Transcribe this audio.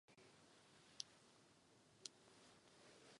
Jeho bratrem je bývalý tenista Ellis Ferreira.